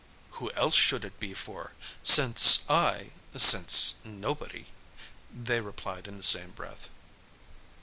"Who else should it be for? since I since nobody " they replied in the same breath.